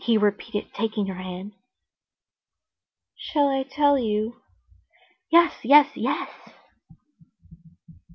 he repeated, taking her hand. "Shall I tell you?" "Yes, yes, yes...."